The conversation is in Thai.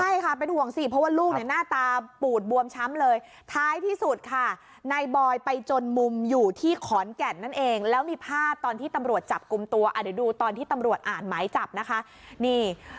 ใช่ค่ะเป็นห่วงสิเพราะว่าลูกหน้าตาปู่ดบวมช้ำเลย